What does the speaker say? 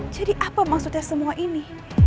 jadi apa maksudnya semua ini